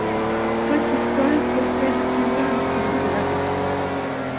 Saint-Cristol possède plusieurs distilleries de lavande.